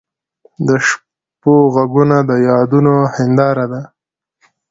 د شپو ږغونه د یادونو هنداره ده.